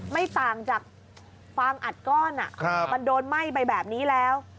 ไม่ต่างจากฟางอัดก้อนมันโดนไหม้ไปแบบนี้แล้ว